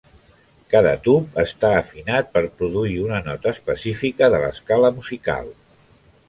Cada tub està afinat per produir una nota específica de l'escala musical.